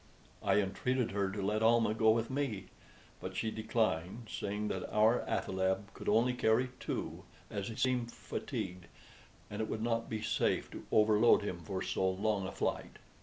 I entreated her to let Almah go with me; but she declined, saying that our athaleb could only carry two, as he seemed fatigued, and it would not be safe to overload him for so long a flight.